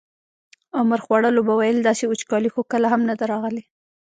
عمر خوړلو به ویل داسې وچکالي خو کله هم نه ده راغلې.